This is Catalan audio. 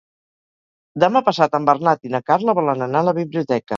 Demà passat en Bernat i na Carla volen anar a la biblioteca.